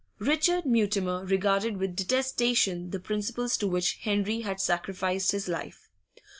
Richard Mutimer regarded with detestation the principles to which Henry had sacrificed his life.